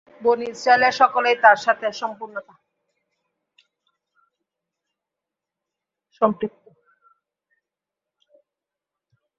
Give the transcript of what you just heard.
বনী ইসরাঈলের সকলেই তার সাথে সম্পৃক্ত।